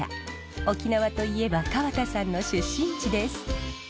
沖縄といえば川田さんの出身地です。